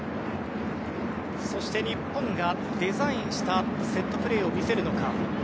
そして日本がデザインしたセットプレーを見せるか。